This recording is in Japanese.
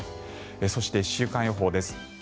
そして、週間予報です。